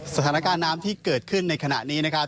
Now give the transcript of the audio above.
สถานการณ์น้ำที่เกิดขึ้นในขณะนี้นะครับ